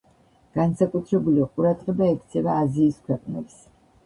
განსაკუთრებული ყურადღება ექცევა აზიის ქვეყნებს.